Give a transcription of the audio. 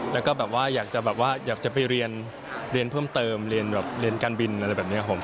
แล้วก็แบบว่าอยากจะไปเรียนเพิ่มเติมเรียนการบินอะไรแบบนี้ครับผม